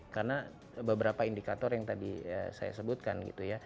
karena beberapa indikator yang tadi saya sebutkan